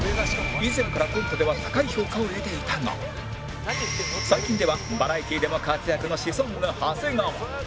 以前からコントでは高い評価を得ていたが最近ではバラエティでも活躍のシソンヌ長谷川